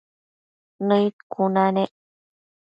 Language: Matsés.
Nëid cuna nec